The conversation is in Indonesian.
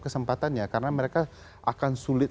kesempatannya karena mereka akan sulit